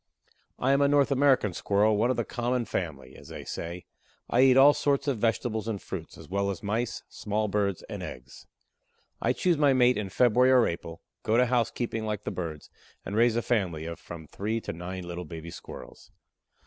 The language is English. I am a North American Squirrel, one of the "common" family, as they say. I eat all sorts of vegetables and fruits, as well as Mice, small Birds and eggs. I choose my mate in February or April, go to housekeeping like the birds, and raise a family of from three to nine little baby Squirrels.